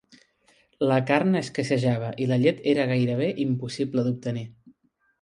La carn escassejava i la llet era gairebé impossible d'obtenir